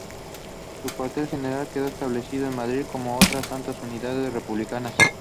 Su Cuartel General quedó establecido en Madrid, como otras tantas unidades republicanas.